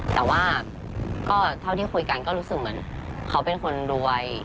แต่ว่าก็เท่าที่คุยกันก็รู้สึกเหมือนเขาเป็นคนรวย